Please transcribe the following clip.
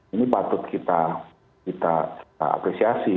ini patut kita kita apresiasi